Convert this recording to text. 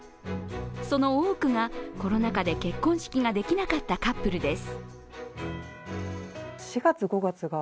その多くが、コロナ禍で結婚式ができなかったカップルです。